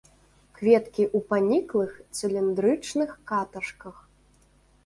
Кветкі ў паніклых цыліндрычных каташках.